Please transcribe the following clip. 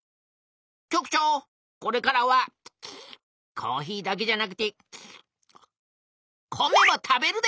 局長これからはコーヒーだけじゃなくて米も食べるで！